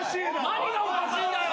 何がおかしいんだよ！？